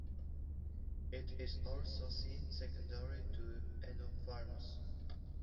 It is also seen secondary to enophthalmos.